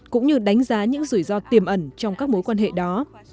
cũng như đánh giá những rủi ro tiềm ẩn trong các mối quan hệ đó